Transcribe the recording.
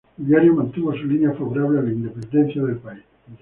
El diario mantuvo su línea favorable a la independencia del país.